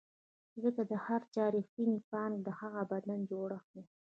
ځکه د هر چا رښتینې پانګه د هغه بدن جوړښت دی.